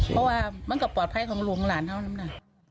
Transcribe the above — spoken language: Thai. เพราะว่ามันก็ปลอดภัยของหลวงหลานเท่านั้นนะ